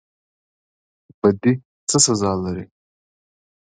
بدی څه سزا لري؟